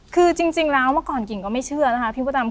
คือจริงแล้วเมื่อก่อนกิ่งก็ไม่เชื่อนะคะพี่มดดำ